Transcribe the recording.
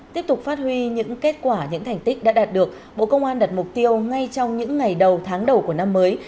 tiếp tục phát huy những kết quả những thành tích đã đạt được bộ công an đặt mục tiêu ngay trong những ngày đầu tháng đầu của năm mới